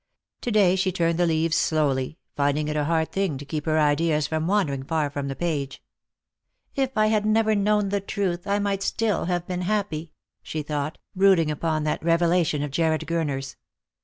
To day she turned the leaves slowly, finding it a hard thing to keep her ideas from wandering far from the page. " If I had never known the truth I might still have been 318 Lost for Love. happy," she thought, brooding upon that revelation of Jarred Gurner's.